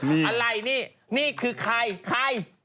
อะไรนี่นี่คือใครใคร